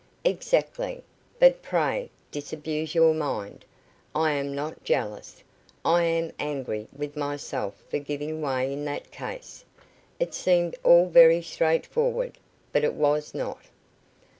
"Exactly, but pray disabuse your mind. I am not jealous. I am angry with myself for giving way in that case. It seemed all very straightforward, but it was not."